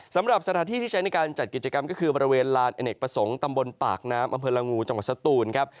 สำหรับสถานที่ที่ใช้ในการจัดกิจกรรมก็คือบริเวณลานอเนกประสงค์ตำบลปากน้ำอำเภอละงูจังหวัดสตูนครับ